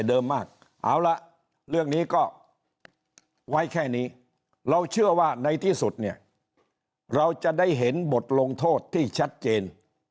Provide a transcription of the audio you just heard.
เดิมมากเอาละเรื่องนี้ก็ไว้แค่นี้เราเชื่อว่าในที่สุดเนี่ยเราจะได้เห็นบทลงโทษที่ชัดเจน